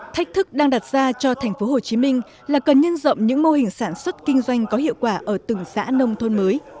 thách thức đang đặt ra cho tp hcm là cần nhân rộng những mô hình sản xuất kinh doanh có hiệu quả ở từng xã nông thôn mới